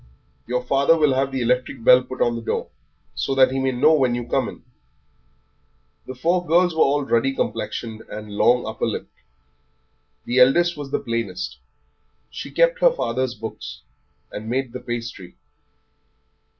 Your father will have the electric bell put on the door, so that he may know when you come in." The four girls were all ruddy complexioned and long upper lipped. The eldest was the plainest; she kept her father's books, and made the pastry.